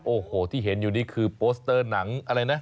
โอ้โหที่เห็นอยู่นี่คือโปสเตอร์หนังอะไรนะ